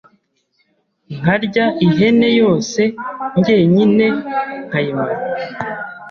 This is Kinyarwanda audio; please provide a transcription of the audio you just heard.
nkarya ihene yose njyenyine nkayimara,